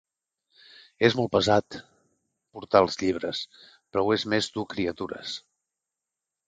És molt pesat portar els llibres, però ho és més dur criatures